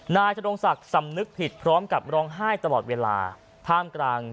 นายธนงศักดิ์สำนึกผิดพร้อมกับร้องไห้ตลอดเวลาท่ามกลาง